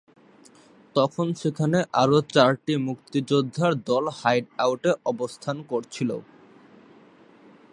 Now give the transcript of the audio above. তখন সেখানে আরও চারটি মুক্তিযোদ্ধার দল হাইড আউটে অবস্থান করছিল।